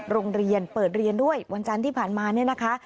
โรงเรียนเปิดเรียนด้วยวันจันทร์ที่ผ่านมาเนี่ยนะคะ